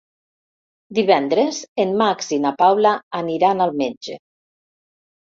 Divendres en Max i na Paula aniran al metge.